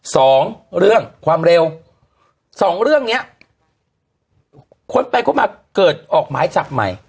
สองเรื่องความเร็วสองเรื่องเนี้ยคนไปค้นมาเกิดออกหมายจับใหม่